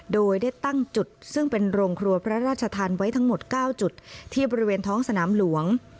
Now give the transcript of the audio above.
โดยได้ตั้งจุดซึ่งเป็นโรงครัวพระราชทานไว้ทั้งหมด๙จุดที่บริเวณท้องสนามหลวง